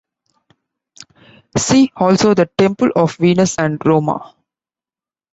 See also the Temple of Venus and Roma.